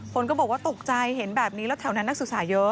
คนก็บอกว่าตกใจเห็นแบบนี้แล้วแถวนั้นนักศึกษาเยอะ